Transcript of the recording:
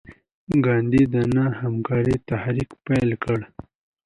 ګاندي د نه همکارۍ تحریک پیل کړ.